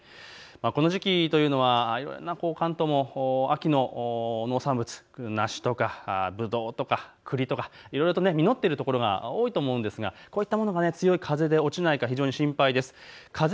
この時期というのは関東も秋の農産物、梨とかぶどうとかくりとか、いろいろ実っている所が多いと思うんですがこういったところが強い風で落ちないか心配です。